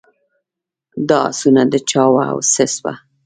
دا آسونه د چا وه او څه سوه.